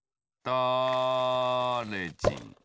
だれじん